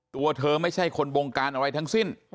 ตัวเธอไม่ใช่คนบงการอะไรทั้งสิ้น